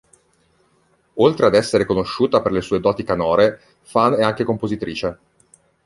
Oltre ad essere conosciuta per le sue doti canore, Fan è anche compositrice.